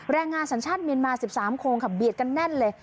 แรงงานสัญชาติเมียนมา๑๓คนค่ะเบียดกันแน่นเลย